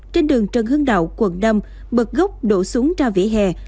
trên đường trần hưng đạo quận năm bật gốc đổ xuống ra vỉa hè